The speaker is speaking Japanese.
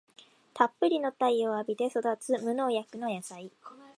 たっぷりの太陽を浴びて育つ無農薬の野菜